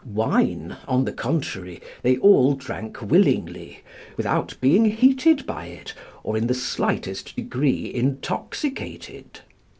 Wine, on the contrary, they all drank willingly, without being heated by it, or in the slightest degree intoxicated.